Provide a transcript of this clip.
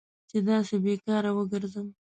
چې داسې بې کاره وګرځم.